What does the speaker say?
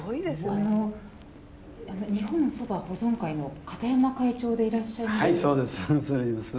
あの日本蕎麦保存会の片山会長でいらっしゃいますよね？